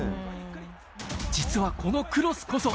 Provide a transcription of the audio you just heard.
実はこのクロスこそ